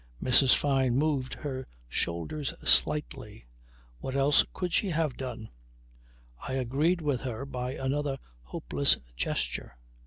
Mrs. Fyne moved her shoulders slightly "What else could she have done?" I agreed with her by another hopeless gesture.